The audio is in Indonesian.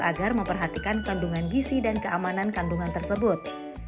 agar memperhatikan kandungan gisi dan keamanan kandungan tersebut